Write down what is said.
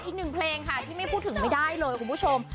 อีกหนึ่งเพลงค่ะที่ไม่พูดถึงไม่ได้เลยคุณผู้ชม